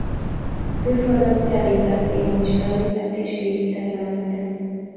Külföldön Terry Black néven is fellépett és készített lemezeket.